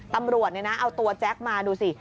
ตำรวจเอาตัวแจ๊คมาดูสิ